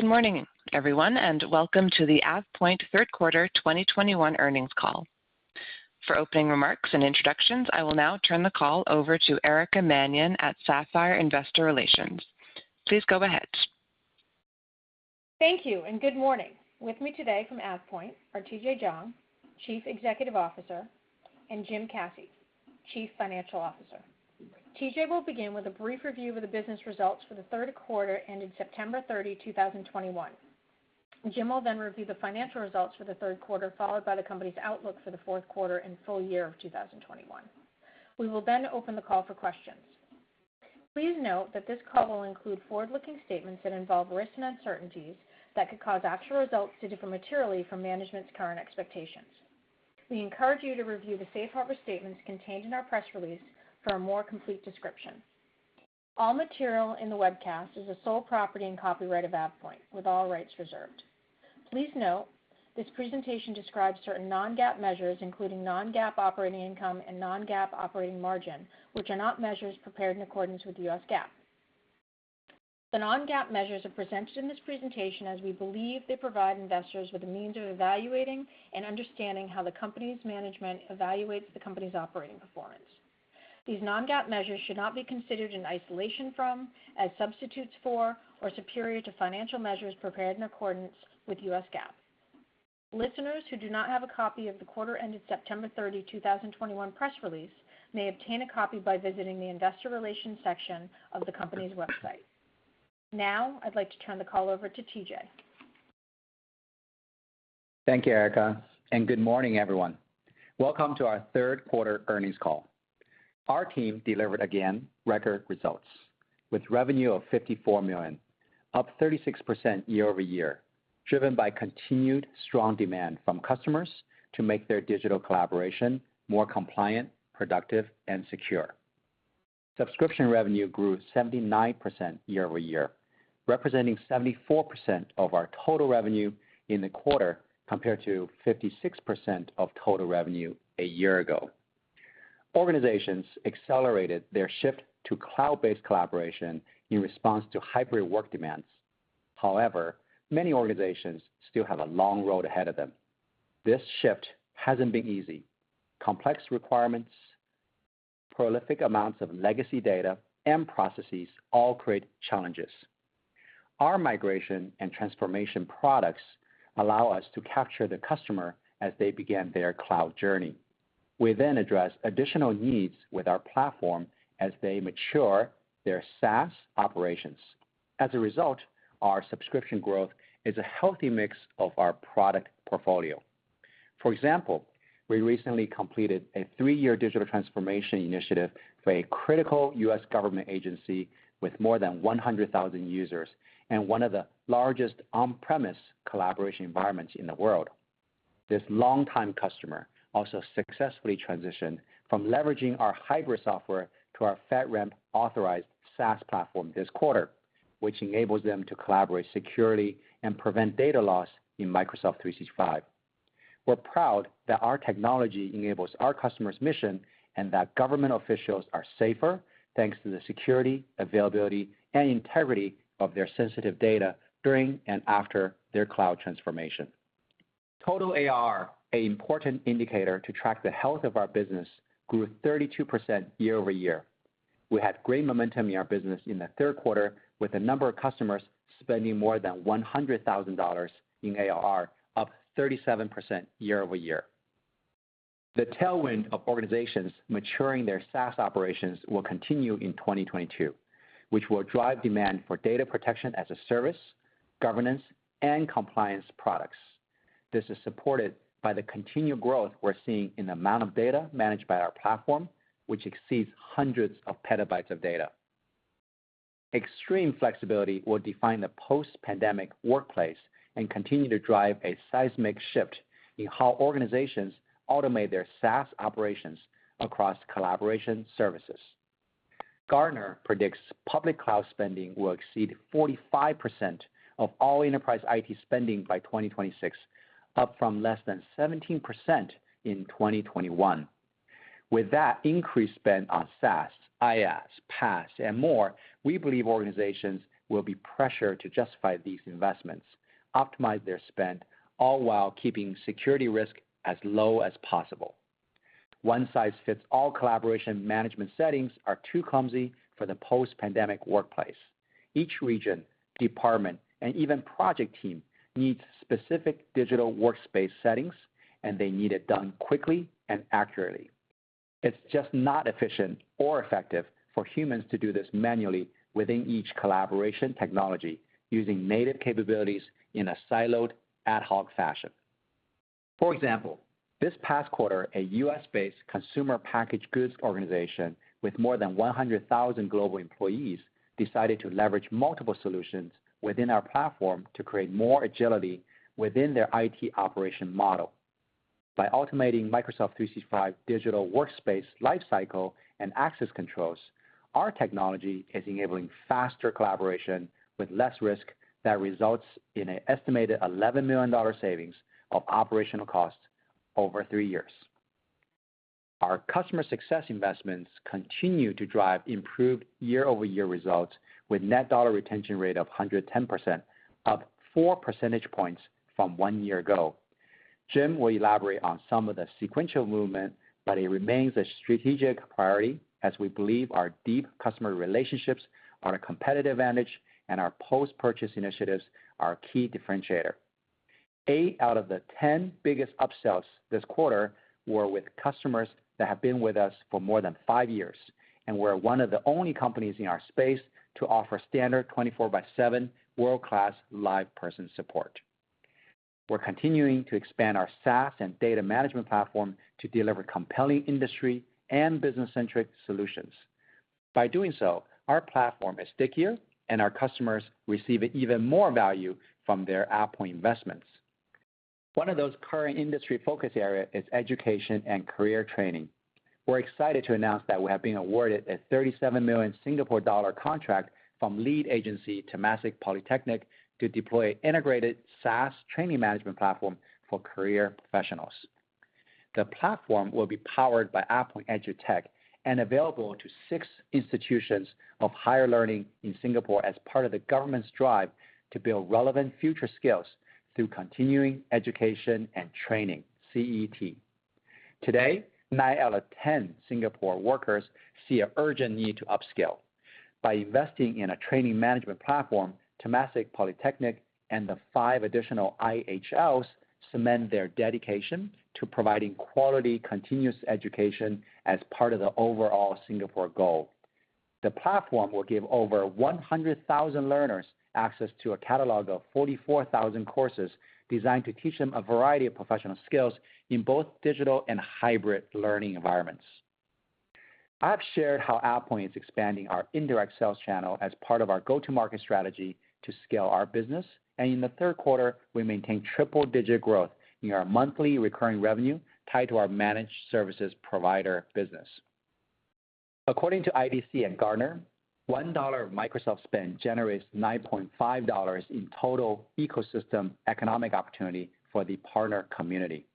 Good morning, everyone, and welcome to the AvePoint Third Quarter 2021 Earnings Call. For opening remarks and introductions, I will now turn the call over to Erica Mannion at Sapphire Investor Relations. Please go ahead. Thank you and good morning. With me today from AvePoint are TJ Jiang, Chief Executive Officer, and Jim Caci, Chief Financial Officer. TJ will begin with a brief review of the business results for the third quarter ended September 30, 2021. Jim will then review the financial results for the third quarter, followed by the company's outlook for the fourth quarter and full year of 2021. We will then open the call for questions. Please note that this call will include forward-looking statements that involve risks and uncertainties that could cause actual results to differ materially from management's current expectations. We encourage you to review the safe harbor statements contained in our press release for a more complete description. All material in the webcast is the sole property and copyright of AvePoint, with all rights reserved. Please note, this presentation describes certain non-GAAP measures, including non-GAAP operating income and non-GAAP operating margin, which are not measures prepared in accordance with U.S. GAAP. The non-GAAP measures are presented in this presentation as we believe they provide investors with a means of evaluating and understanding how the company's management evaluates the company's operating performance. These non-GAAP measures should not be considered in isolation from, as substitutes for, or superior to financial measures prepared in accordance with U.S. GAAP. Listeners who do not have a copy of the quarter ended September 30, 2021 press release may obtain a copy by visiting the investor relations section of the company's website. Now, I'd like to turn the call over to TJ. Thank you, Erica, and good morning everyone. Welcome to our third quarter earnings call. Our team delivered again record results with revenue of $54 million, up 36% year-over-year, driven by continued strong demand from customers to make their digital collaboration more compliant, productive and secure. Subscription revenue grew 79% year-over-year, representing 74% of our total revenue in the quarter, compared to 56% of total revenue a year ago. Organizations accelerated their shift to cloud-based collaboration in response to hybrid work demands. However, many organizations still have a long road ahead of them. This shift hasn't been easy. Complex requirements, prolific amounts of legacy data and processes all create challenges. Our migration and transformation products allow us to capture the customer as they begin their cloud journey. We then address additional needs with our platform as they mature their SaaS operations. As a result, our subscription growth is a healthy mix of our product portfolio. For example, we recently completed a three-year digital transformation initiative for a critical U.S. government agency with more than 100,000 users and one of the largest on-premises collaboration environments in the world. This long-time customer also successfully transitioned from leveraging our hybrid software to our FedRAMP authorized SaaS platform this quarter, which enables them to collaborate securely and prevent data loss in Microsoft 365. We're proud that our technology enables our customer's mission, and that government officials are safer thanks to the security, availability, and integrity of their sensitive data during and after their cloud transformation. Total ARR, an important indicator to track the health of our business, grew 32% year-over-year. We had great momentum in our business in the third quarter, with a number of customers spending more than $100,000 in ARR, up 37% year-over-year. The tailwind of organizations maturing their SaaS operations will continue in 2022, which will drive demand for data protection as a service, governance, and compliance products. This is supported by the continued growth we're seeing in the amount of data managed by our platform, which exceeds hundreds of petabytes of data. Extreme flexibility will define the post-pandemic workplace and continue to drive a seismic shift in how organizations automate their SaaS operations across collaboration services. Gartner predicts public cloud spending will exceed 45% of all enterprise IT spending by 2026, up from less than 17% in 2021. With that increased spend on SaaS, IaaS, PaaS and more, we believe organizations will be pressured to justify these investments, optimize their spend, all while keeping security risk as low as possible. One size fits all collaboration management settings are too clumsy for the post-pandemic workplace. Each region, department, and even project team needs specific digital workspace settings, and they need it done quickly and accurately. It's just not efficient or effective for humans to do this manually within each collaboration technology using native capabilities in a siloed, ad hoc fashion. For example, this past quarter, a U.S.-based consumer packaged goods organization with more than 100,000 global employees decided to leverage multiple solutions within our platform to create more agility within their IT operation model. By automating Microsoft 365 digital workspace lifecycle and access controls, our technology is enabling faster collaboration with less risk that results in an estimated $11 million savings of operational costs over three years. Our customer success investments continue to drive improved year-over-year results with net dollar retention rate of 110%, up 4 percentage points from one year ago. Jim will elaborate on some of the sequential movement, but it remains a strategic priority as we believe our deep customer relationships are a competitive advantage, and our post-purchase initiatives are a key differentiator. Eight out of the 10 biggest upsells this quarter were with customers that have been with us for more than five years, and we're one of the only companies in our space to offer standard 24/7 world-class live person support. We're continuing to expand our SaaS and data management platform to deliver compelling industry and business-centric solutions. By doing so, our platform is stickier and our customers receive even more value from their AvePoint investments. One of those current industry focus area is education and career training. We're excited to announce that we have been awarded a 37 million Singapore dollar contract from lead agency Temasek Polytechnic to deploy integrated SaaS training management platform for career professionals. The platform will be powered by AvePoint EduTech and available to six institutions of higher learning in Singapore as part of the government's drive to build relevant future skills through continuing education and training, CET. Today, nine out of 10 Singapore workers see an urgent need to upskill. By investing in a training management platform, Temasek Polytechnic and the five additional IHLs cement their dedication to providing quality continuous education as part of the overall Singapore goal. The platform will give over 100,000 learners access to a catalog of 44,000 courses designed to teach them a variety of professional skills in both digital and hybrid learning environments. I've shared how AvePoint is expanding our indirect sales channel as part of our go-to-market strategy to scale our business. In the third quarter, we maintained triple-digit growth in our monthly recurring revenue tied to our managed services provider business. According to IDC and Gartner, $1 of Microsoft spend generates $9.5 in total ecosystem economic opportunity for the partner community.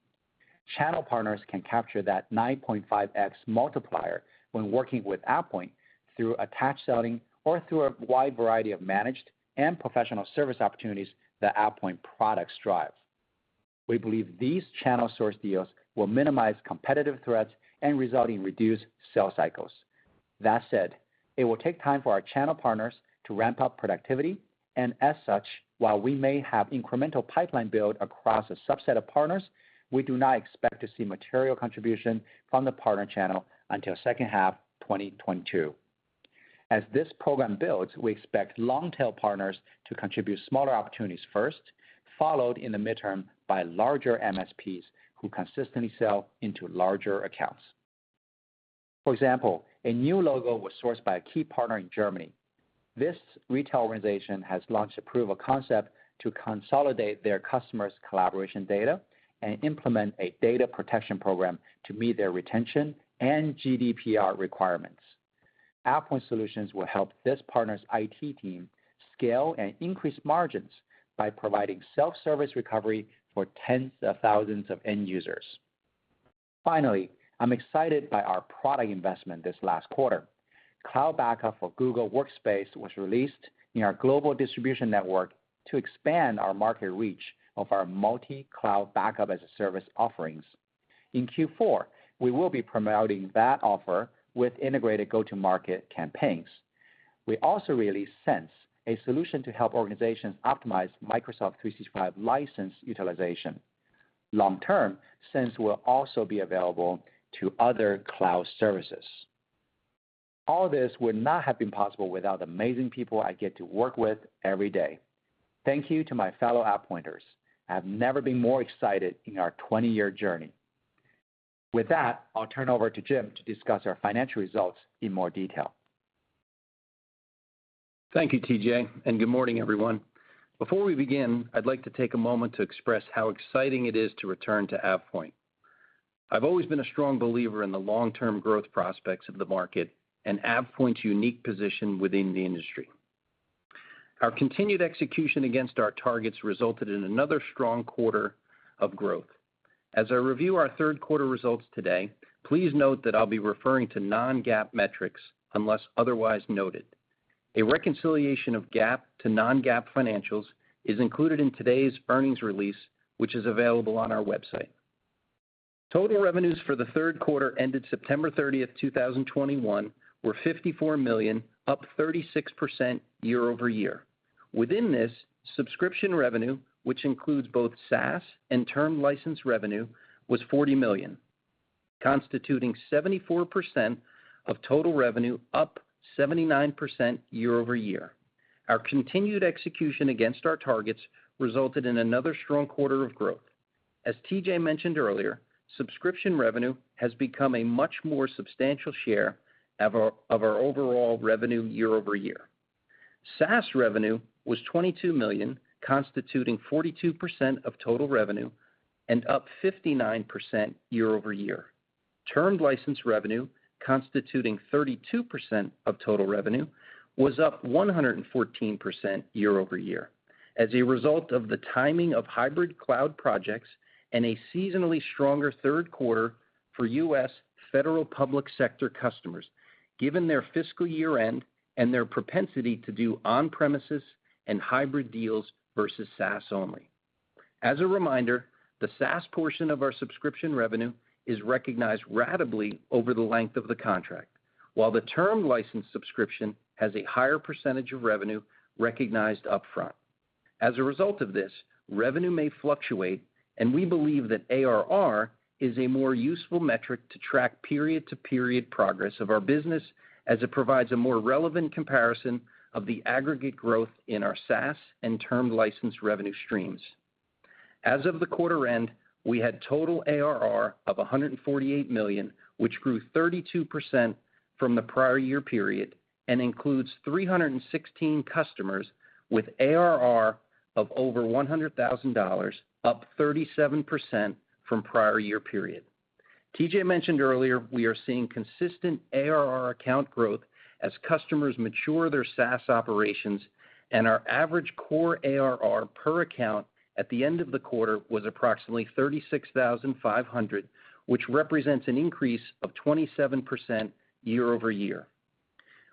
Channel partners can capture that 9.5x multiplier when working with AvePoint through attach selling or through a wide variety of managed and professional service opportunities that AvePoint products drive. We believe these channel source deals will minimize competitive threats and result in reduced sales cycles. That said, it will take time for our channel partners to ramp up productivity. As such, while we may have incremental pipeline build across a subset of partners, we do not expect to see material contribution from the partner channel until second half 2022. As this program builds, we expect long-tail partners to contribute smaller opportunities first, followed in the midterm by larger MSPs who consistently sell into larger accounts. For example, a new logo was sourced by a key partner in Germany. This retail organization has launched a proof of concept to consolidate their customers' collaboration data and implement a data protection program to meet their retention and GDPR requirements. AvePoint solutions will help this partner's IT team scale and increase margins by providing self-service recovery for tens of thousands of end users. Finally, I'm excited by our product investment this last quarter. Cloud Backup for Google Workspace was released in our global distribution network to expand our market reach of our multi-cloud backup as a service offerings. In Q4, we will be promoting that offer with integrated go-to-market campaigns. We also released Cense, a solution to help organizations optimize Microsoft 365 license utilization. Long term, Cense will also be available to other cloud services. All this would not have been possible without the amazing people I get to work with every day. Thank you to my fellow AvePointers. I have never been more excited in our 20-year journey. With that, I'll turn over to Jim to discuss our financial results in more detail. Thank you, TJ, and good morning, everyone. Before we begin, I'd like to take a moment to express how exciting it is to return to AvePoint. I've always been a strong believer in the long-term growth prospects of the market and AvePoint's unique position within the industry. Our continued execution against our targets resulted in another strong quarter of growth. As I review our third quarter results today, please note that I'll be referring to non-GAAP metrics unless otherwise noted. A reconciliation of GAAP to non-GAAP financials is included in today's earnings release, which is available on our website. Total revenues for the third quarter ended September 30th, 2021 were $54 million, up 36% year-over-year. Within this, subscription revenue, which includes both SaaS and term license revenue, was $40 million, constituting 74% of total revenue, up 79% year-over-year. Our continued execution against our targets resulted in another strong quarter of growth. As TJ mentioned earlier, subscription revenue has become a much more substantial share of our overall revenue year-over-year. SaaS revenue was $22 million, constituting 42% of total revenue and up 59% year-over-year. Term license revenue, constituting 32% of total revenue, was up 114% year-over-year. As a result of the timing of hybrid cloud projects and a seasonally stronger third quarter for U.S. federal public sector customers, given their fiscal year-end and their propensity to do on-premises and hybrid deals versus SaaS only. As a reminder, the SaaS portion of our subscription revenue is recognized ratably over the length of the contract, while the term license subscription has a higher percentage of revenue recognized upfront. As a result of this, revenue may fluctuate, and we believe that ARR is a more useful metric to track period-to-period progress of our business, as it provides a more relevant comparison of the aggregate growth in our SaaS and term license revenue streams. As of the quarter end, we had total ARR of $148 million, which grew 32% from the prior year period and includes 316 customers with ARR of over $100,000, up 37% from prior year period. TJ mentioned earlier we are seeing consistent ARR account growth as customers mature their SaaS operations, and our average core ARR per account at the end of the quarter was approximately $36,500, which represents an increase of 27% year-over-year.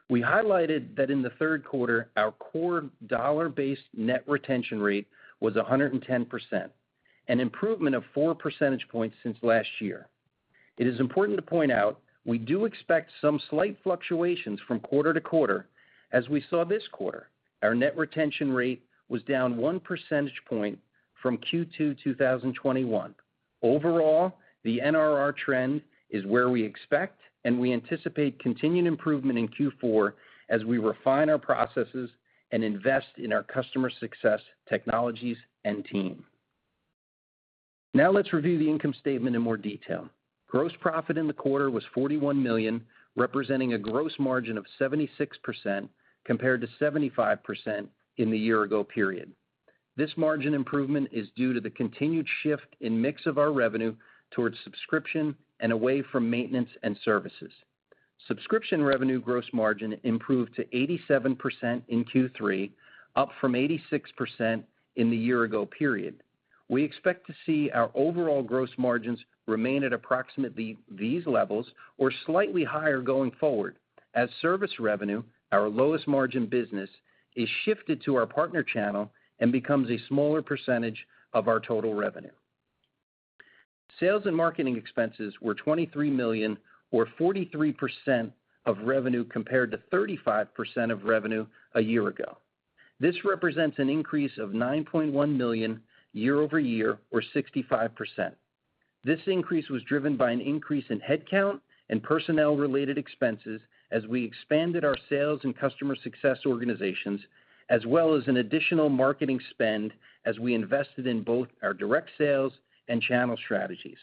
We highlighted that in the third quarter, our core dollar-based net retention rate was 110%, an improvement of 4 percentage points since last year. It is important to point out we do expect some slight fluctuations from quarter-to-quarter, as we saw this quarter. Our net retention rate was down 1 percentage point from Q2 2021. Overall, the NRR trend is where we expect, and we anticipate continued improvement in Q4 as we refine our processes and invest in our customer success technologies and team. Now let's review the income statement in more detail. Gross profit in the quarter was $41 million, representing a gross margin of 76% compared to 75% in the year ago period. This margin improvement is due to the continued shift in mix of our revenue towards subscription and away from maintenance and services. Subscription revenue gross margin improved to 87% in Q3, up from 86% in the year-ago period. We expect to see our overall gross margins remain at approximately these levels or slightly higher going forward as service revenue, our lowest margin business, is shifted to our partner channel and becomes a smaller percentage of our total revenue. Sales and marketing expenses were $23 million or 43% of revenue compared to 35% of revenue a year ago. This represents an increase of $9.1 million year-over-year or 65%. This increase was driven by an increase in headcount and personnel-related expenses as we expanded our sales and customer success organizations, as well as an additional marketing spend as we invested in both our direct sales and channel strategies.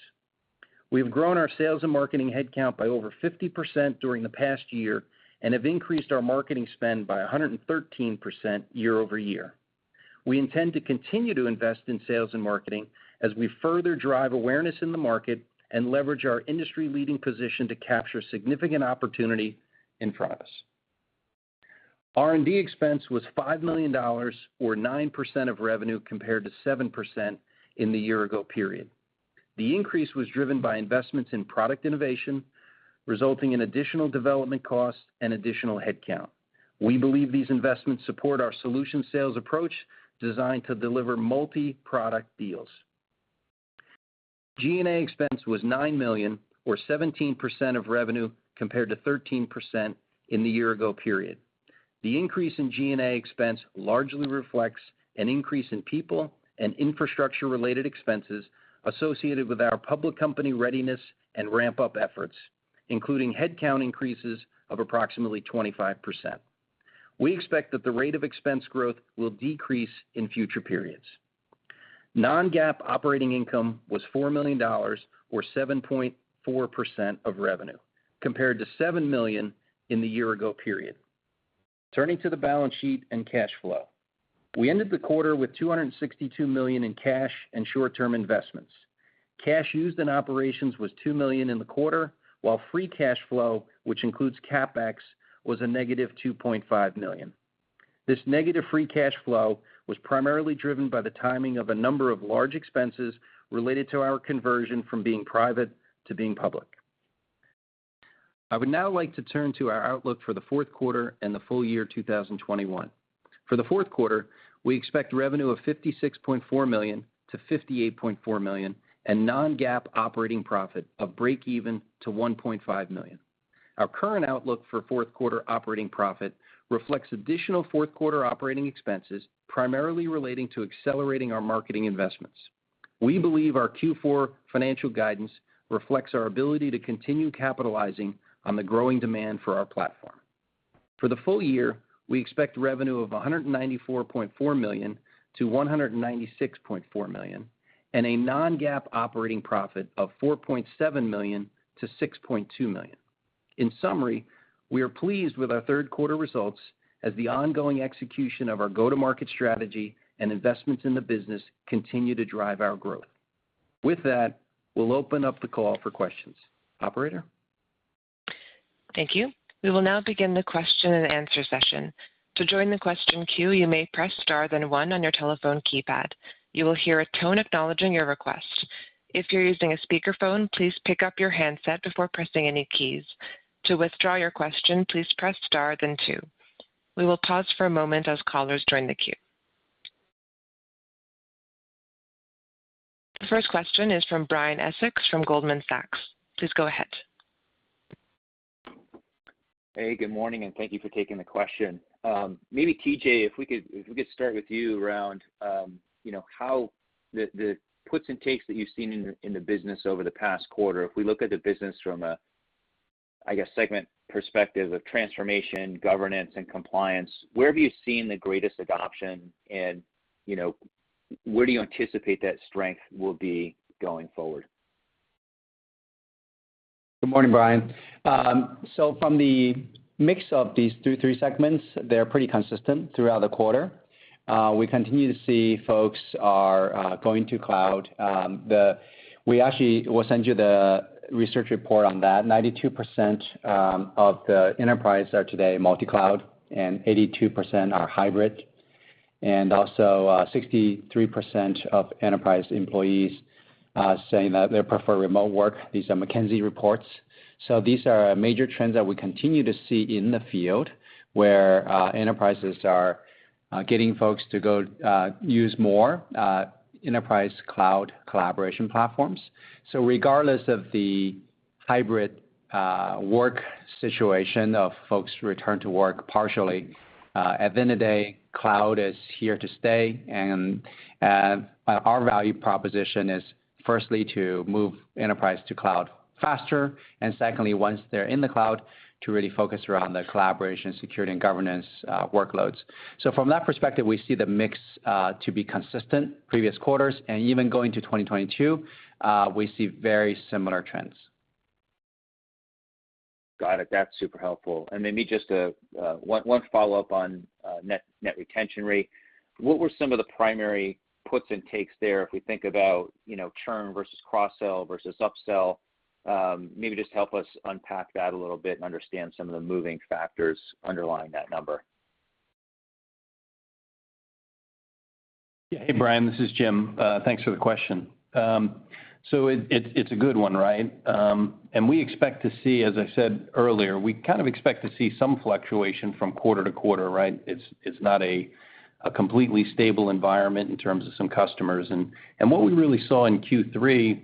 We've grown our sales and marketing headcount by over 50% during the past year and have increased our marketing spend by 113% year-over-year. We intend to continue to invest in sales and marketing as we further drive awareness in the market and leverage our industry-leading position to capture significant opportunity in front of us. R&D expense was $5 million or 9% of revenue compared to 7% in the year-ago period. The increase was driven by investments in product innovation, resulting in additional development costs and additional headcount. We believe these investments support our solution sales approach designed to deliver multi-product deals. G&A expense was $9 million or 17% of revenue compared to 13% in the year-ago period. The increase in G&A expense largely reflects an increase in people and infrastructure-related expenses associated with our public company readiness and ramp-up efforts, including headcount increases of approximately 25%. We expect that the rate of expense growth will decrease in future periods. Non-GAAP operating income was $4 million or 7.4% of revenue, compared to $7 million in the year-ago period. Turning to the balance sheet and cash flow. We ended the quarter with $262 million in cash and short-term investments. Cash used in operations was $2 million in the quarter, while free cash flow, which includes CapEx, was a negative $2.5 million. This negative free cash flow was primarily driven by the timing of a number of large expenses related to our conversion from being private to being public. I would now like to turn to our outlook for the fourth quarter and the full year 2021. For the fourth quarter, we expect revenue of $56.4 million-$58.4 million and non-GAAP operating profit of breakeven to $1.5 million. Our current outlook for fourth quarter operating profit reflects additional fourth quarter operating expenses, primarily relating to accelerating our marketing investments. We believe our Q4 financial guidance reflects our ability to continue capitalizing on the growing demand for our platform. For the full year, we expect revenue of $194.4 million-$196.4 million and a non-GAAP operating profit of $4.7 million-$6.2 million. In summary, we are pleased with our third quarter results as the ongoing execution of our go-to-market strategy and investments in the business continue to drive our growth. With that, we'll open up the call for questions. Operator? Thank you. We will now begin the question and answer session. To join the question queue, you may press star then one on your telephone keypad. You will hear a tone acknowledging your request. If you're using a speakerphone, please pick up your handset before pressing any keys. To withdraw your question, please press star then two. We will pause for a moment as callers join the queue. The first question is from Brian Essex from Goldman Sachs. Please go ahead. Hey, good morning, and thank you for taking the question. Maybe TJ, if we could start with you around you know, how the puts and takes that you've seen in the business over the past quarter. If we look at the business from a I guess, segment perspective of transformation, governance, and compliance, where have you seen the greatest adoption and you know, where do you anticipate that strength will be going forward? Good morning, Brian. From the mix of these two, three segments, they're pretty consistent throughout the quarter. We continue to see folks are going to cloud. We actually will send you the research report on that. 92% of the enterprise are today multi-cloud, and 82% are hybrid. 63% of enterprise employees saying that they prefer remote work. These are McKinsey reports. These are major trends that we continue to see in the field, where enterprises are getting folks to go use more enterprise cloud collaboration platforms. Regardless of the hybrid work situation of folks return to work partially, at the end of the day, cloud is here to stay. Our value proposition is firstly to move enterprise to cloud faster. Secondly, once they're in the cloud, to really focus around the collaboration, security, and governance, workloads. From that perspective, we see the mix to be consistent, previous quarters, and even going to 2022, we see very similar trends. Got it. That's super helpful. Maybe just one follow-up on net retention rate. What were some of the primary puts and takes there if we think about, you know, churn versus cross-sell versus upsell? Maybe just help us unpack that a little bit and understand some of the moving factors underlying that number. Hey, Brian, this is Jim. Thanks for the question. It's a good one, right? We kind of expect to see some fluctuation from quarter-to-quarter, right? It's not a completely stable environment in terms of some customers. What we really saw in Q3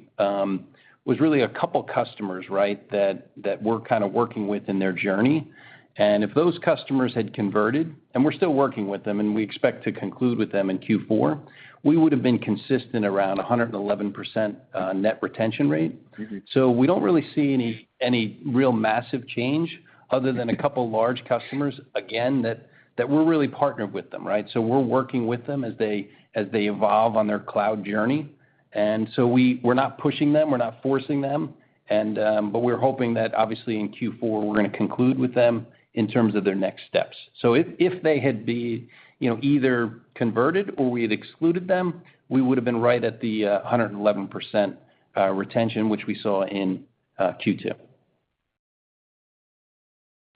was really a couple of customers, right, that we're kind of working with in their journey. If those customers had converted, and we're still working with them, and we expect to conclude with them in Q4, we would have been consistent around 111% net retention rate. We don't really see any real massive change other than a couple of large customers, again, that we're really partnered with them, right? We're working with them as they evolve on their cloud journey. We're not pushing them, we're not forcing them. But we're hoping that obviously in Q4, we're gonna conclude with them in terms of their next steps. If they had been, you know, either converted or we had excluded them, we would have been right at the 111% retention, which we saw in Q2.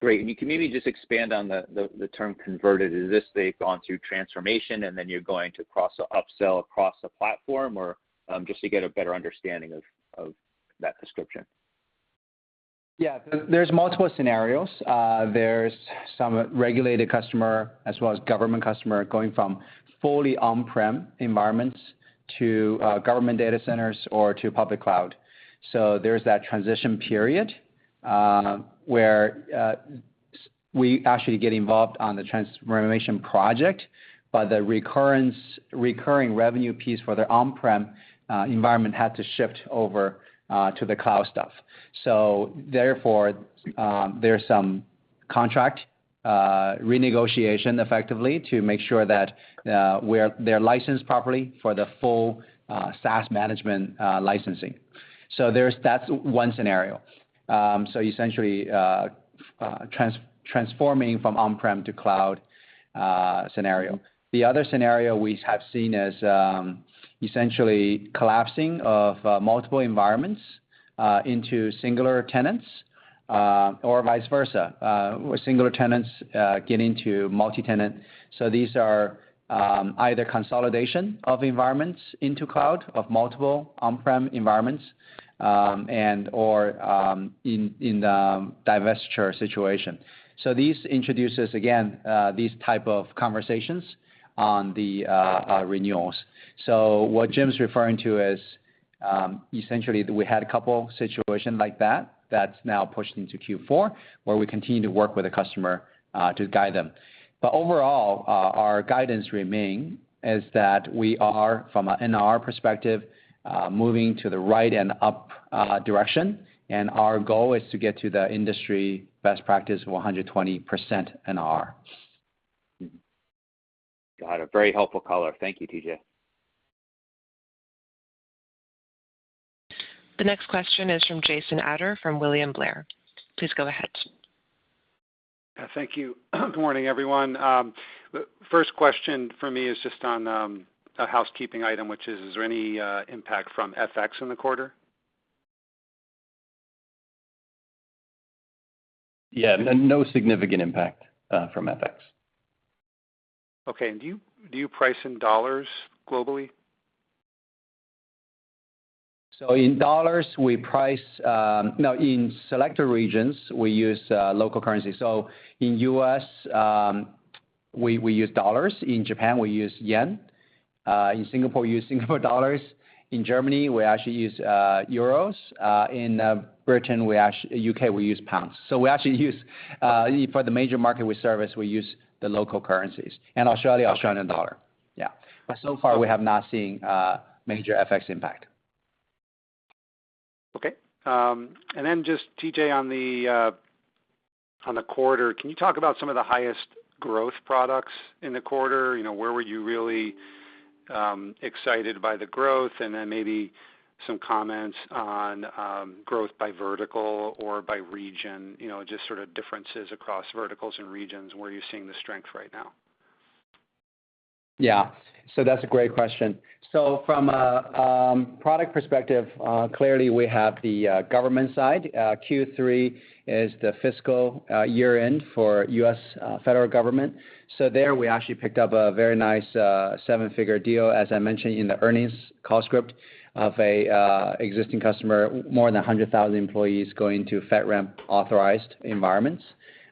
Great. Can you maybe just expand on the term converted? Is this they've gone through transformation, and then you're going to cross or upsell across the platform? Or, just to get a better understanding of that description? Yeah. There's multiple scenarios. There's some regulated customer as well as government customer going from fully on-prem environments to government data centers or to public cloud. There's that transition period where we actually get involved on the transformation project, but the recurring revenue piece for their on-prem environment had to shift over to the cloud stuff. Therefore, there's some contract renegotiation effectively to make sure that they're licensed properly for the full SaaS management licensing. That's one scenario. Essentially, transforming from on-prem to cloud scenario. The other scenario we have seen is essentially collapsing of multiple environments into singular tenants or vice versa where singular tenants get into multi-tenant. These are either consolidation of environments into cloud of multiple on-prem environments, and/or, in the divestiture situation. These introduces, again, these type of conversations on the renewals. What Jim's referring to is, essentially we had a couple situation like that's now pushed into Q4, where we continue to work with the customer to guide them. Overall, our guidance remain is that we are, from an NRR perspective, moving to the right and up direction. Our goal is to get to the industry best practice of 120% NRR. Got it. Very helpful color. Thank you, TJ. The next question is from Jason Ader from William Blair. Please go ahead. Thank you. Good morning, everyone. The first question for me is just on a housekeeping item, which is there any impact from FX in the quarter? Yeah. No significant impact from FX. Okay. Do you price in dollars globally? In selected regions, we use local currency. In U.S., we use dollars. In Japan, we use yen. In Singapore, we use Singapore dollars. In Germany, we actually use euros. In U.K., we use pounds. We actually use, for the major market we service, the local currencies. In Australia, Australian dollar. So far we have not seen major FX impact. Okay. Just TJ, on the quarter, can you talk about some of the highest growth products in the quarter? You know, where were you really excited by the growth? Maybe some comments on growth by vertical or by region. You know, just sort of differences across verticals and regions, where you're seeing the strength right now. That's a great question. From a product perspective, clearly we have the government side. Q3 is the fiscal year-end for U.S. federal government. There we actually picked up a very nice seven-figure deal, as I mentioned in the earnings call script, of an existing customer, more than 100,000 employees going to FedRAMP authorized environments.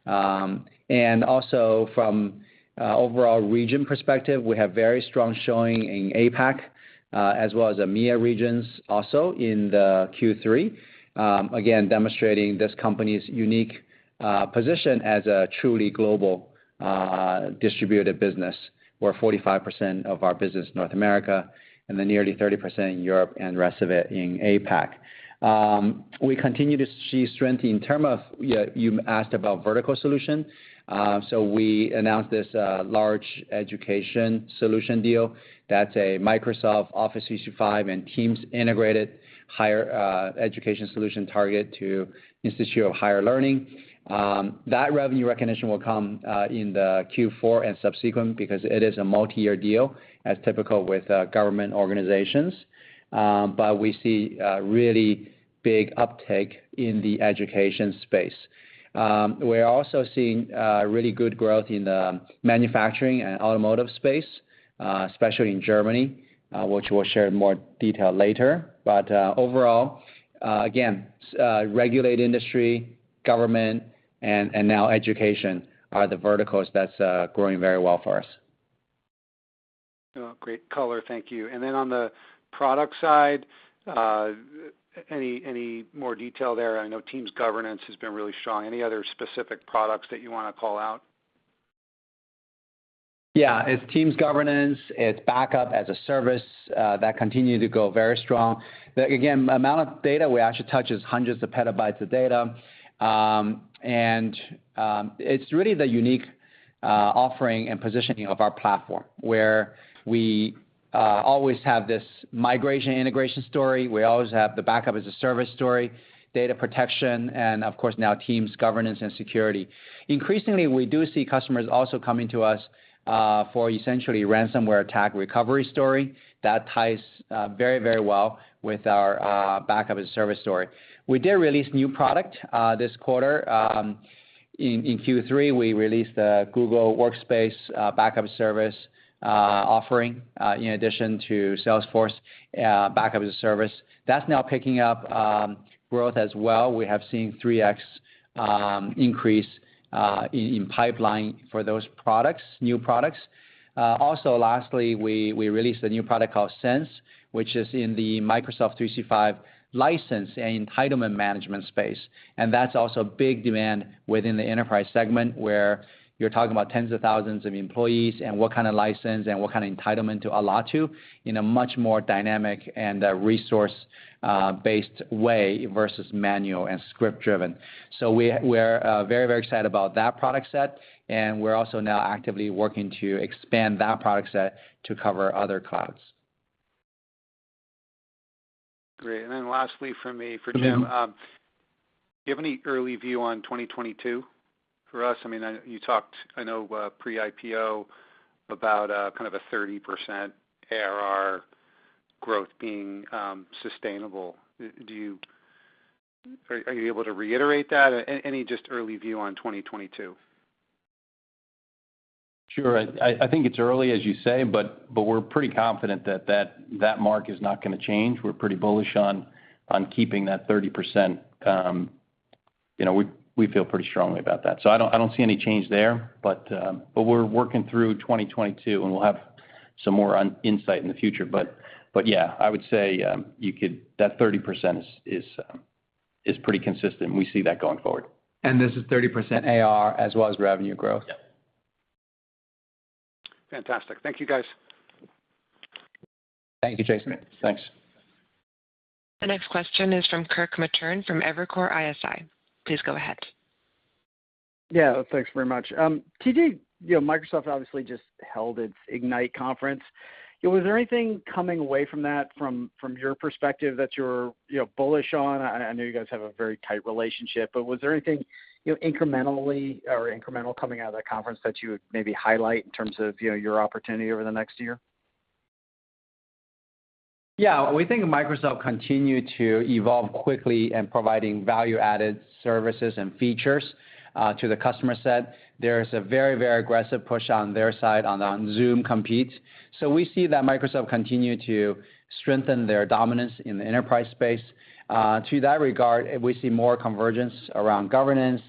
Also from overall region perspective, we have very strong showing in APAC as well as EMEA regions also in the Q3, again demonstrating this company's unique position as a truly global distributed business, where 45% of our business is North America, and then nearly 30% in Europe, and the rest of it in APAC. We continue to see strength in terms of. You asked about vertical solution. We announced this large education solution deal. That's a Microsoft Office 365 and Teams integrated higher education solution targeted to institutes of higher learning. That revenue recognition will come in the Q4 and subsequent because it is a multi-year deal, as typical with government organizations. We see a really big uptake in the education space. We're also seeing really good growth in the manufacturing and automotive space, especially in Germany, which we'll share in more detail later. Overall, again, regulated industry, government, and now education are the verticals that's growing very well for us. Oh, great color. Thank you. On the product side, any more detail there? I know Teams Governance has been really strong. Any other specific products that you want to call out? Yeah. It's Teams Governance, it's Backup as a Service that continue to go very strong. The amount of data we actually touch is hundreds of petabytes of data. It's really the unique offering and positioning of our platform, where we always have this migration integration story, we always have the Backup as a Service story, data protection, and of course now Teams Governance and security. Increasingly, we do see customers also coming to us for essentially ransomware attack recovery story. That ties very, very well with our Backup as a Service story. We did release new product this quarter. In Q3, we released the Google Workspace Backup Service offering in addition to Salesforce Backup as a Service. That's now picking up growth as well. We have seen 3x increase in pipeline for those new products. We released a new product called Cense, which is in the Microsoft 365 license and entitlement management space. That's in big demand within the enterprise segment, where you're talking about tens of thousands of employees and what kind of license and what kind of entitlement to allot to in a much more dynamic and resource-based way versus manual and script-driven. We're very excited about that product set, and we're also now actively working to expand that product set to cover other clouds. Great. Then lastly from me, for Jim. Do you have any early view on 2022 for us? I mean, I know you talked pre-IPO about kind of a 30% ARR growth being sustainable. Are you able to reiterate that? Any just early view on 2022? Sure. I think it's early, as you say, but we're pretty confident that that mark is not gonna change. We're pretty bullish on keeping that 30%. You know, we feel pretty strongly about that. I don't see any change there, but we're working through 2022, and we'll have some more insight in the future. Yeah, I would say that 30% is pretty consistent, and we see that going forward. This is 30% ARR as well as revenue growth. Yeah. Fantastic. Thank you, guys. Thank you, Jason. Thanks. The next question is from Kirk Materne from Evercore ISI. Please go ahead. Yeah. Thanks very much. TJ, you know, Microsoft obviously just held its Ignite conference. Was there anything coming away from that from your perspective that you're, you know, bullish on? I know you guys have a very tight relationship, but was there anything, you know, incrementally or incremental coming out of that conference that you would maybe highlight in terms of, you know, your opportunity over the next year? Yeah, we think Microsoft continue to evolve quickly in providing value-added services and features to the customer set. There is a very, very aggressive push on their side to compete with Zoom. We see that Microsoft continue to strengthen their dominance in the enterprise space. To that regard, we see more convergence around governance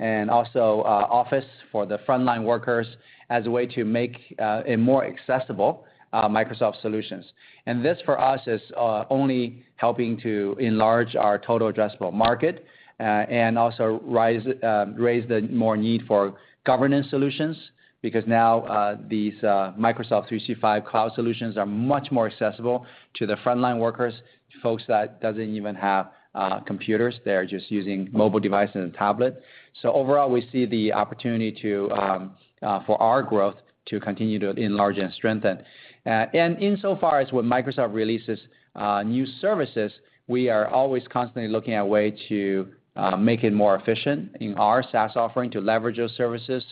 and also Office for the frontline workers as a way to make it more accessible Microsoft solutions. This, for us, is only helping to enlarge our total addressable market and also raise the more need for governance solutions because now these Microsoft 365 cloud solutions are much more accessible to the frontline workers, folks that doesn't even have computers. They're just using mobile device and a tablet. Overall, we see the opportunity for our growth to continue to enlarge and strengthen. Insofar as when Microsoft releases new services, we are always constantly looking at ways to make it more efficient in our SaaS offering to leverage those services.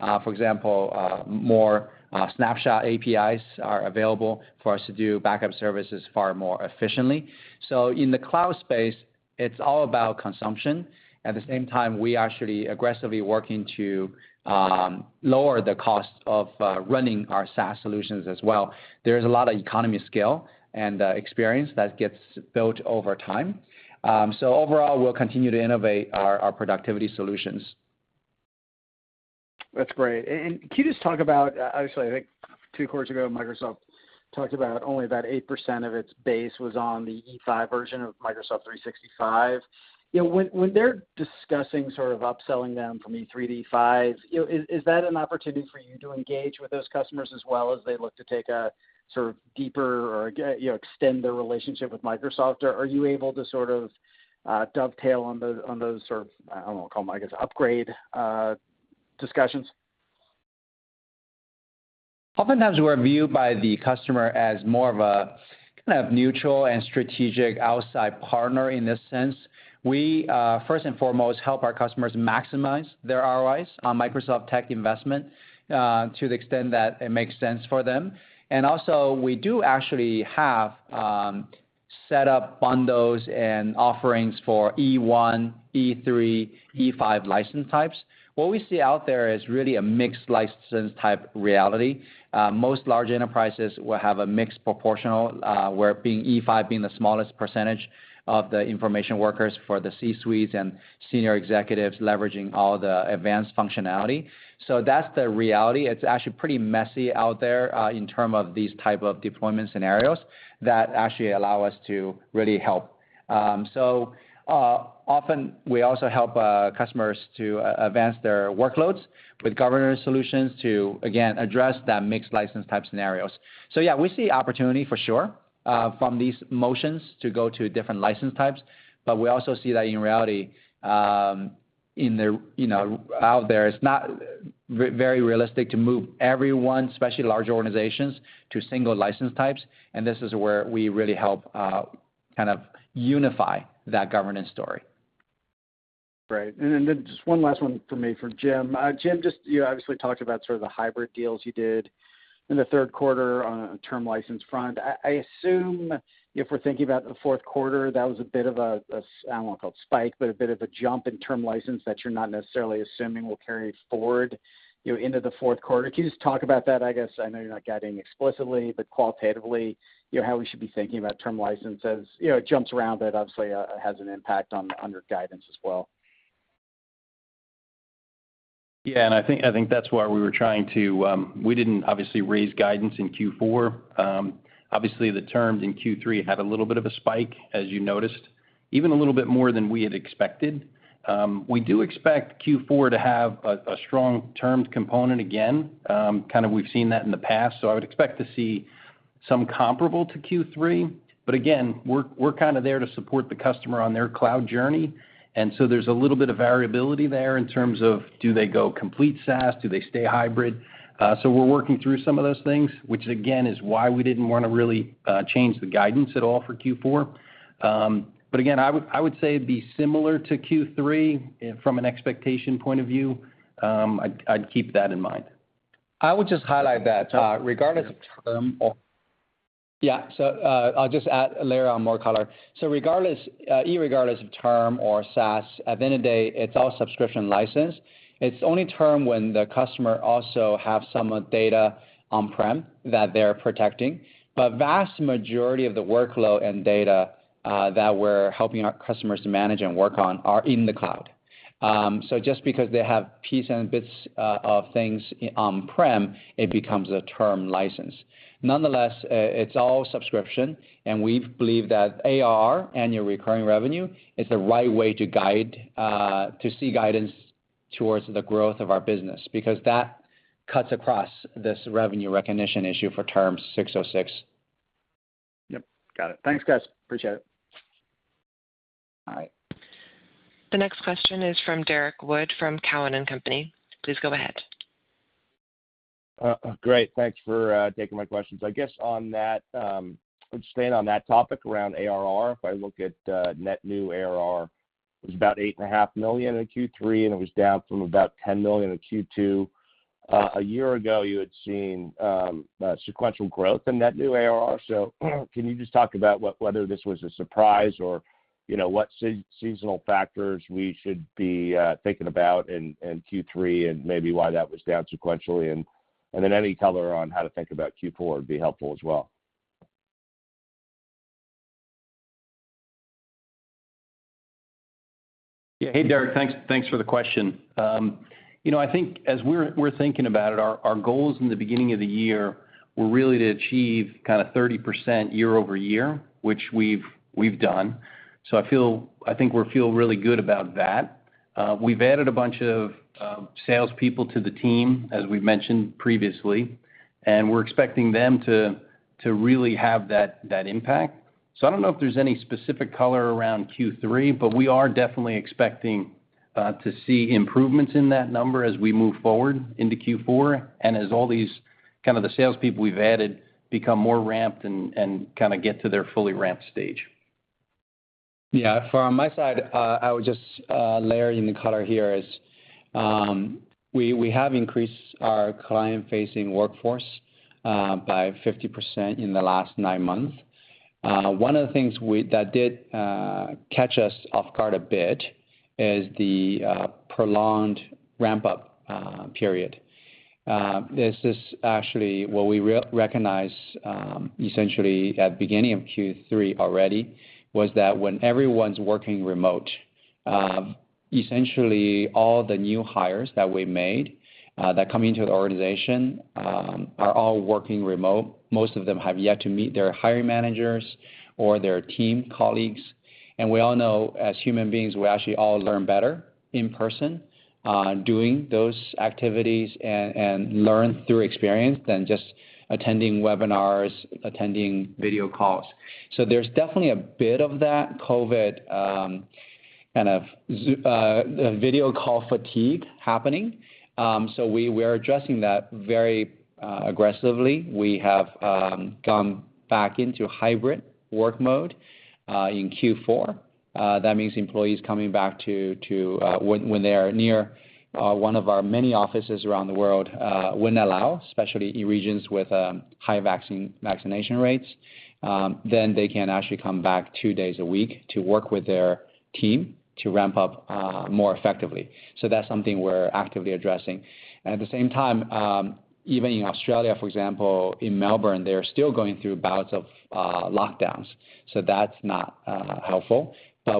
For example, more snapshot APIs are available for us to do backup services far more efficiently. In the cloud space, it's all about consumption. At the same time, we actually aggressively working to lower the cost of running our SaaS solutions as well. There is a lot of economies of scale and experience that gets built over time. Overall, we'll continue to innovate our productivity solutions. That's great. Can you just talk about, obviously, I think two quarters ago, Microsoft talked about only about 8% of its base was on the E5 version of Microsoft 365. You know, when they're discussing sort of upselling them from E3-E5, you know, is that an opportunity for you to engage with those customers as well as they look to take a sort of deeper, you know, extend their relationship with Microsoft? Or are you able to sort of dovetail on those sort of, I don't know, call them, I guess, upgrade discussions? Oftentimes, we're viewed by the customer as more of a, kind of neutral and strategic outside partner in this sense. We first and foremost help our customers maximize their ROIs on Microsoft tech investment to the extent that it makes sense for them. Also, we do actually have set up bundles and offerings for E1, E3, E5 license types. What we see out there is really a mixed license type reality. Most large enterprises will have a mixed proportional where E5 being the smallest percentage of the information workers for the C-suites and senior executives leveraging all the advanced functionality. That's the reality. It's actually pretty messy out there in terms of these type of deployment scenarios that actually allow us to really help. Often we also help customers to advance their workloads with governance solutions to, again, address that mixed license type scenarios. Yeah, we see opportunity for sure from these motions to go to different license types. But we also see that in reality, you know, out there, it's not very realistic to move everyone, especially large organizations, to single license types. This is where we really help kind of unify that governance story. Right. Just one last one from me for Jim. Jim, just, you obviously talked about sort of the hybrid deals you did in the third quarter on a term license front. I assume if we're thinking about the fourth quarter, that was a bit of a, I don't wanna call it spike, but a bit of a jump in term license that you're not necessarily assuming will carry forward, you know, into the fourth quarter. Can you just talk about that? I guess, I know you're not guiding explicitly, but qualitatively, you know, how we should be thinking about term licenses. You know, it jumps around, but obviously, it has an impact on our guidance as well. Yeah. I think that's why we didn't obviously raise guidance in Q4. Obviously, the terms in Q3 had a little bit of a spike, as you noticed, even a little bit more than we had expected. We do expect Q4 to have a strong terms component again, kind of we've seen that in the past, so I would expect to see some comparable to Q3. But again, we're kind of there to support the customer on their cloud journey. And so there's a little bit of variability there in terms of do they go complete SaaS? Do they stay hybrid? We're working through some of those things, which again, is why we didn't wanna really change the guidance at all for Q4. I would say it'd be similar to Q3 from an expectation point of view. I'd keep that in mind. I would just highlight that, regardless of term. I'll just add a layer on more color. Regardless, irregardless of term or SaaS, at the end of the day, it's all subscription license. It's only term when the customer also have some data on-prem that they're protecting. Vast majority of the workload and data that we're helping our customers manage and work on are in the cloud. Just because they have piece and bits of things on-prem, it becomes a term license. Nonetheless, it's all subscription, and we believe that ARR, annual recurring revenue, is the right way to guide to see guidance towards the growth of our business because that cuts across this revenue recognition issue for ASC 606. Yep, got it. Thanks, guys. Appreciate it. All right. The next question is from Derrick Wood from Cowen and Company. Please go ahead. Great. Thanks for taking my questions. I guess on that, just staying on that topic around ARR, if I look at net new ARR. It was about $8.5 million in Q3, and it was down from about $10 million in Q2. A year ago, you had seen sequential growth in net new ARR. Can you just talk about whether this was a surprise or, you know, what seasonal factors we should be thinking about in Q3 and maybe why that was down sequentially? Then any color on how to think about Q4 would be helpful as well. Yeah. Hey, Derrick. Thanks for the question. You know, I think as we're thinking about it, our goals in the beginning of the year were really to achieve kinda 30% year-over-year, which we've done. I think we feel really good about that. We've added a bunch of salespeople to the team, as we've mentioned previously, and we're expecting them to really have that impact. I don't know if there's any specific color around Q3, but we are definitely expecting to see improvements in that number as we move forward into Q4 and as all these kinda the salespeople we've added become more ramped and kinda get to their fully ramped stage. Yeah. From my side, I would just layer in the color here as we have increased our client-facing workforce by 50% in the last nine months. One of the things that did catch us off guard a bit is the prolonged ramp-up period. This is actually what we recognize, essentially at beginning of Q3 already, was that when everyone's working remote, essentially all the new hires that we made that come into the organization are all working remote. Most of them have yet to meet their hiring managers or their team colleagues. We all know, as human beings, we actually all learn better in person doing those activities and learn through experience than just attending webinars, attending video calls. There's definitely a bit of that COVID kind of Zoom video call fatigue happening. We're addressing that very aggressively. We have gone back into hybrid work mode in Q4. That means employees coming back to when they are near one of our many offices around the world when allowed, especially in regions with high vaccination rates, then they can actually come back two days a week to work with their team to ramp up more effectively. That's something we're actively addressing. At the same time, even in Australia, for example, in Melbourne, they're still going through bouts of lockdowns, so that's not helpful.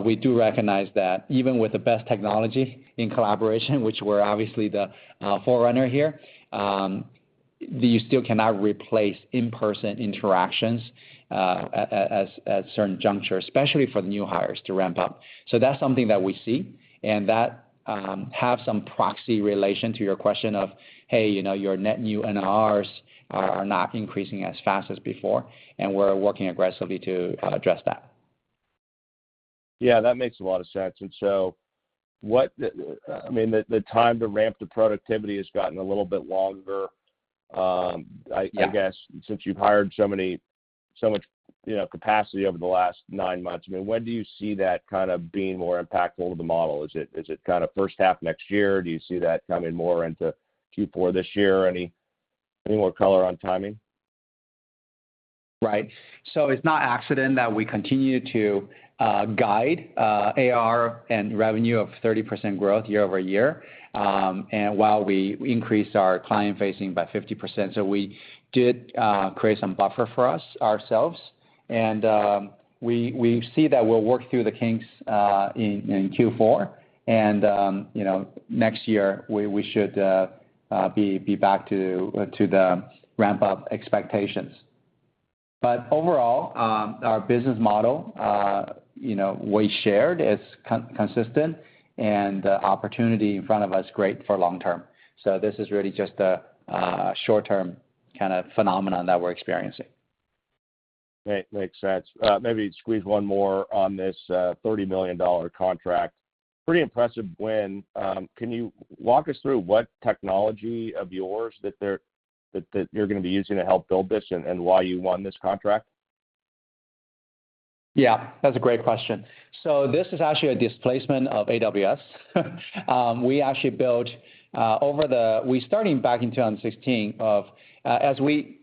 We do recognize that even with the best technology in collaboration, which we're obviously the forerunner here, you still cannot replace in-person interactions at certain junctures, especially for the new hires to ramp up. That's something that we see and that have some proxy relation to your question of, "Hey, you know, your net new NRR are not increasing as fast as before." We're working aggressively to address that. Yeah, that makes a lot of sense. What, I mean, the time to ramp to productivity has gotten a little bit longer. I guess, since you've hired so much, you know, capacity over the last nine months. I mean, when do you see that kind of being more impactful to the model? Is it kinda first half next year? Do you see that coming more into Q4 this year? Any more color on timing? Right. It's no accident that we continue to guide ARR and revenue of 30% growth year-over-year, and while we increase our client-facing by 50%. We did create some buffer for ourselves. We see that we'll work through the kinks in Q4, and you know, next year we should be back to the ramp-up expectations. Overall, our business model you know, we shared is consistent, and the opportunity in front of us is great for long-term. This is really just a short-term kind of phenomenon that we're experiencing. Okay. Makes sense. Maybe squeeze one more on this $30 million contract. Pretty impressive win. Can you walk us through what technology of yours that you're gonna be using to help build this and why you won this contract? Yeah. That's a great question. This is actually a displacement of AWS. We actually built. We started back in 2016, as we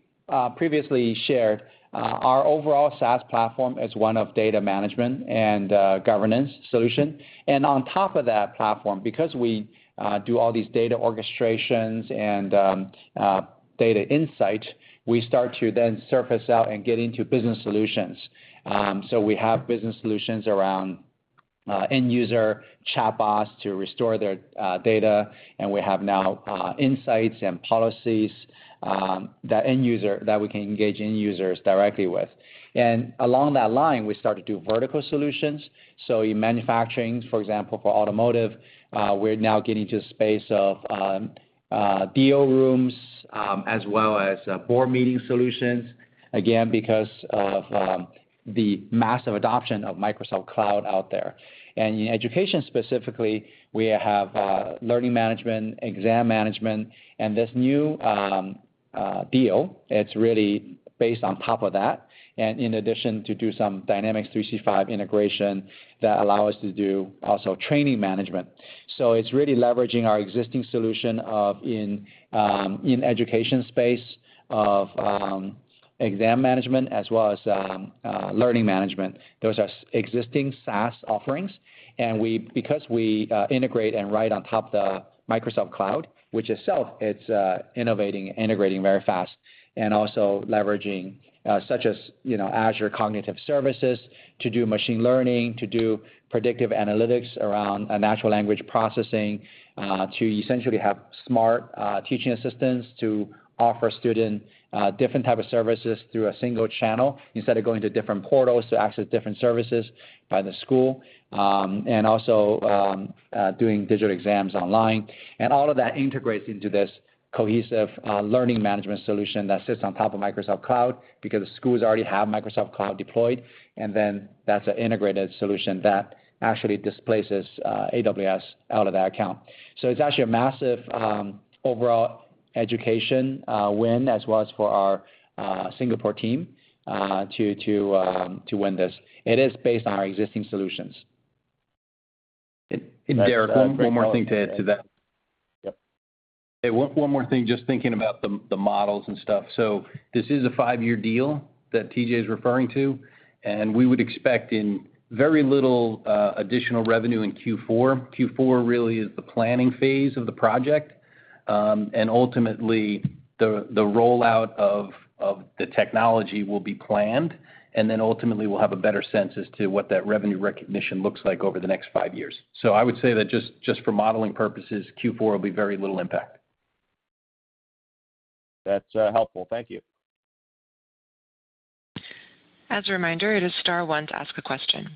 previously shared, our overall SaaS platform is one of data management and governance solution. On top of that platform, because we do all these data orchestrations and data insight, we start to then surface out and get into business solutions. We have business solutions around end user chatbots to restore their data, and we have now insights and policies that we can engage end users directly with. Along that line, we start to do vertical solutions. In manufacturing, for example, for automotive, we're now getting to the space of deal rooms as well as board meeting solutions, again, because of the massive adoption of Microsoft Cloud out there. In education specifically, we have learning management, exam management, and this new deal. It's really based on top of that. In addition, to do some Dynamics 365 integration that allow us to do also training management. It's really leveraging our existing solution in education space of exam management as well as learning management. Those are existing SaaS offerings. Because we integrate and run right on top of the Microsoft Cloud, which itself is innovating and integrating very fast, and also leveraging such as, you know, Azure Cognitive Services to do machine learning, to do predictive analytics around natural language processing, to essentially have smart teaching assistants to offer students different types of services through a single channel instead of going to different portals to access different services by the school. We are also doing digital exams online. All of that integrates into this cohesive learning management solution that sits on top of Microsoft Cloud because the schools already have Microsoft Cloud deployed, and then that's an integrated solution that actually displaces AWS out of that account. It's actually a massive overall education win, as well as for our Singapore team, to win this. It is based on our existing solutions. Derrick, one more thing to add to that. Yep. One more thing, just thinking about the models and stuff. This is a five-year deal that TJ is referring to, and we would expect very little additional revenue in Q4. Q4 really is the planning phase of the project. Ultimately, the rollout of the technology will be planned, and then ultimately we'll have a better sense as to what that revenue recognition looks like over the next five years. I would say that just for modeling purposes, Q4 will be very little impact. That's helpful. Thank you. As a reminder, it is star one to ask a question.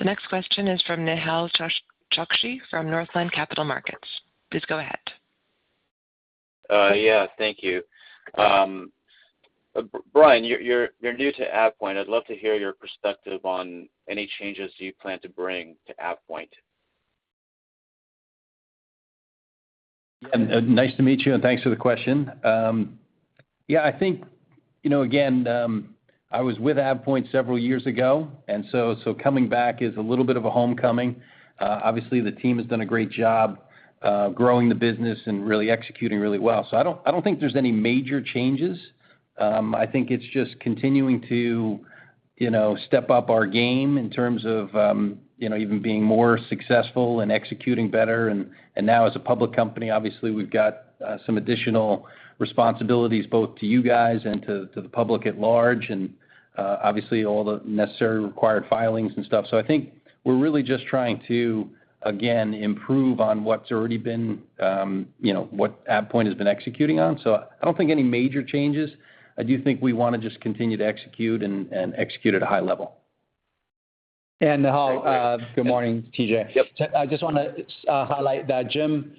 The next question is from Nehal Chokshi from Northland Capital Markets. Please go ahead. Yeah, thank you. Brian, you're new to AvePoint. I'd love to hear your perspective on any changes you plan to bring to AvePoint. Nice to meet you, and thanks for the question. Yeah, I think, you know, again, I was with AvePoint several years ago, and so coming back is a little bit of a homecoming. Obviously, the team has done a great job, growing the business and really executing well. I don't think there's any major changes. I think it's just continuing to, you know, step up our game in terms of, you know, even being more successful and executing better. Now as a public company, obviously, we've got some additional responsibilities, both to you guys and to the public at large, and obviously all the necessary required filings and stuff. I think we're really just trying to, again, improve on what's already been, you know, what AvePoint has been executing on. I don't think any major changes. I do think we wanna just continue to execute and execute at a high level. Nehal, Good morning. TJ. Yep. I just want to highlight that Jim,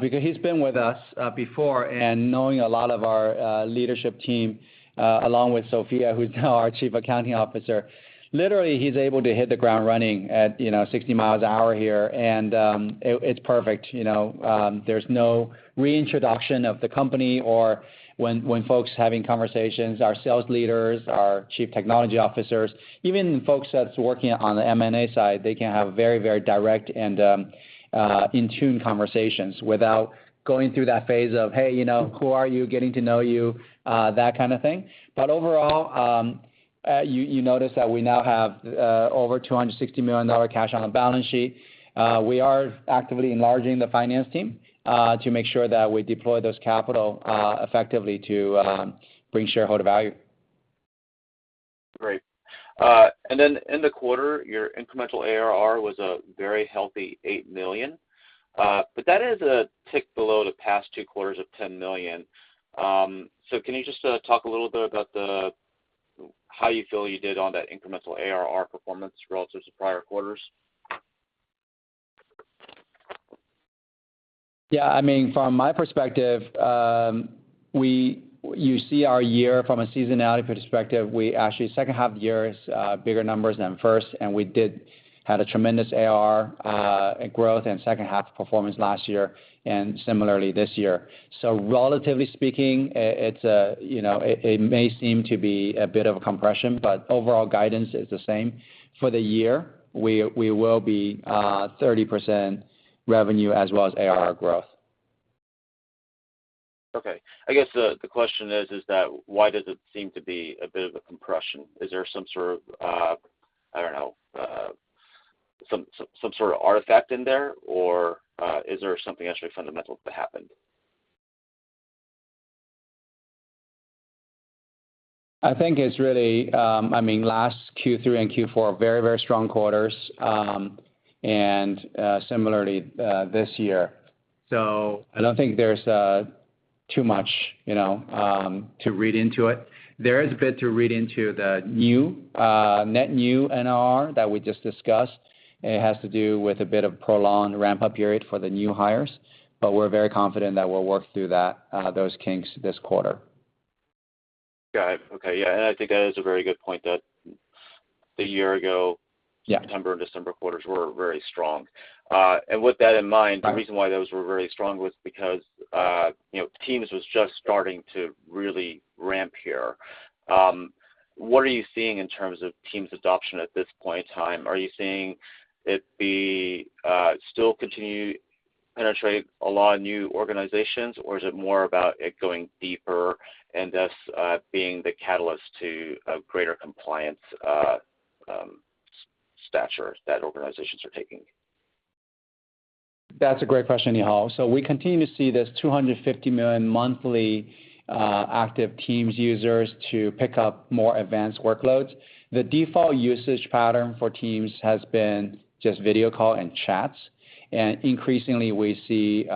because he's been with us before and knowing a lot of our leadership team, along with Sophia, who's now our Chief Accounting Officer. Literally, he's able to hit the ground running at, you know, 60 miles an hour here, and it's perfect, you know. There's no reintroduction of the company or when folks having conversations, our sales leaders, our chief technology officers, even folks that's working on the M&A side, they can have very direct and in tune conversations without going through that phase of, "Hey, you know, who are you?" Getting to know you, that kind of thing. Overall, you notice that we now have over $260 million cash on the balance sheet. We are actively enlarging the finance team to make sure that we deploy that capital effectively to bring shareholder value. Great. In the quarter, your incremental ARR was a very healthy $8 million, but that is a tick below the past two quarters of $10 million. Can you just talk a little bit about how you feel you did on that incremental ARR performance relative to prior quarters? Yeah, I mean, from my perspective, you see our year from a seasonality perspective. We actually, second half year is bigger numbers than first, and we did have a tremendous ARR growth in second half performance last year and similarly this year. Relatively speaking, it's a, you know, it may seem to be a bit of a compression, but overall guidance is the same. For the year, we will be 30% revenue as well as ARR growth. Okay. I guess the question is that why does it seem to be a bit of a compression? Is there some sort of, I don't know, some sort of artifact in there, or, is there something actually fundamental that happened? I think it's really, I mean, last Q3 and Q4 are very, very strong quarters, and similarly, this year. I don't think there's too much, you know, to read into it. There is a bit to read into the new net new NRR that we just discussed. It has to do with a bit of prolonged ramp-up period for the new hires, but we're very confident that we'll work through that, those kinks this quarter. Got it. Okay. Yeah, I think that is a very good point that a year ago. Yeah September and December quarters were very strong. With that in mind. The reason why those were very strong was because, you know, Teams was just starting to really ramp here. What are you seeing in terms of Teams adoption at this point in time? Are you seeing it be still continue to penetrate a lot of new organizations, or is it more about it going deeper and thus being the catalyst to a greater compliance stature that organizations are taking? That's a great question, Nehal. We continue to see this 250 million monthly active Teams users to pick up more advanced workloads. The default usage pattern for Teams has been just video call and chats. Increasingly, we see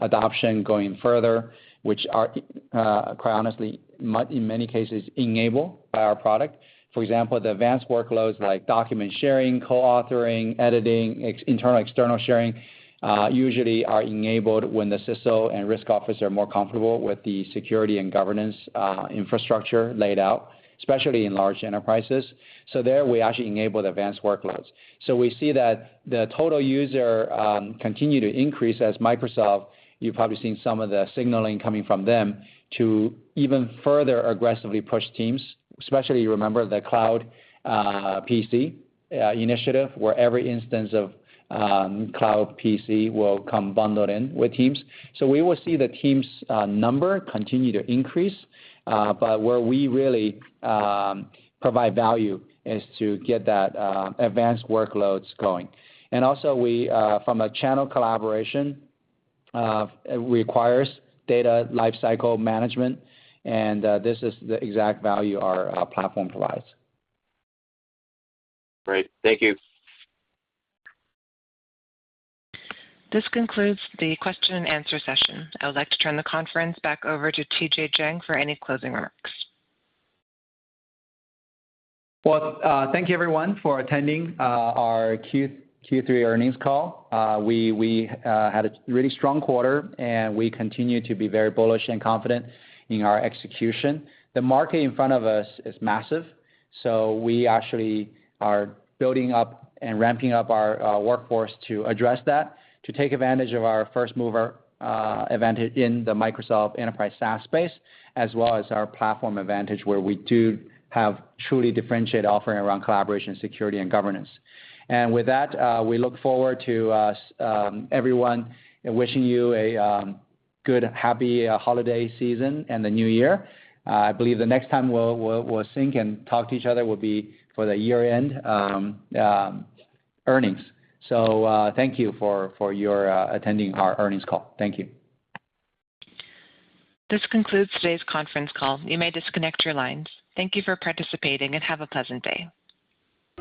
adoption going further, which are quite honestly in many cases enabled by our product. For example, the advanced workloads like document sharing, co-authoring, editing, external, internal sharing usually are enabled when the CISO and risk office are more comfortable with the security and governance infrastructure laid out, especially in large enterprises. There, we actually enable the advanced workloads. We see that the total user continue to increase as Microsoft, you've probably seen some of the signaling coming from them to even further aggressively push Teams, especially remember the Cloud PC initiative, where every instance of Cloud PC will come bundled in with Teams. We will see the Teams number continue to increase. Where we really provide value is to get that advanced workloads going. We from a channel collaboration requires data lifecycle management, and this is the exact value our platform provides. Great. Thank you. This concludes the question and answer session. I would like to turn the conference back over to TJ Jiang for any closing remarks. Well, thank you everyone for attending our Q3 earnings call. We had a really strong quarter, and we continue to be very bullish and confident in our execution. The market in front of us is massive, so we actually are building up and ramping up our workforce to address that, to take advantage of our first-mover advantage in the Microsoft enterprise SaaS space, as well as our platform advantage, where we do have truly differentiated offering around collaboration, security, and governance. With that, we look forward to everyone and wishing you a good, happy holiday season and the new year. I believe the next time we'll sync and talk to each other will be for the year-end earnings. Thank you for your attending our earnings call. Thank you. This concludes today's conference call. You may disconnect your lines. Thank you for participating, and have a pleasant day.